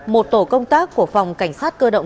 một tổ công tác của phòng cảnh sát cơ động